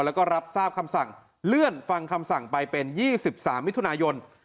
แล้วก็รับทราบคำสั่งเลื่อนฟังคำสั่งไปเป็น๒๓มิถุนายน